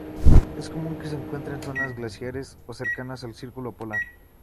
Es común que se encuentre en zonas glaciares o cercanas al círculo polar.